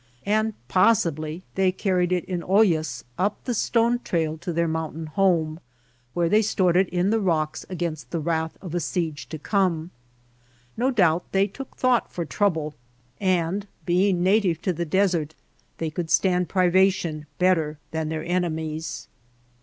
And possibly they carried it in ollas up the stone trail to their mountain home where they stored it in the rocks against the wrath of a siege to come. No doubt they took thought for trouble, and being native to the desert they could stand privation better than their enemies.